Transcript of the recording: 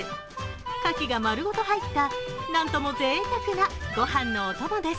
かきがまるごと入った何ともぜいたくなご飯のおともです。